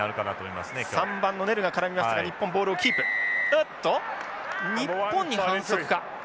おっと日本に反則か。